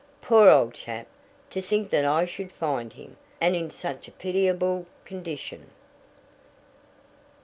"Poor old chap! To think that I should find him and in such a pitiable condition!"